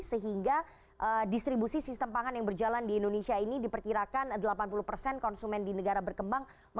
sehingga distribusi sistem pangan yang berjalan di indonesia ini diperkirakan delapan puluh persen konsumen di negara berkembang